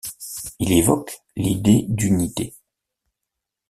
Il évoque l'idée d'unité.